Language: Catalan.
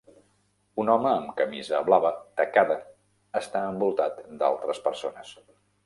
Un home amb camisa blava tacada està envoltat d'altres persones.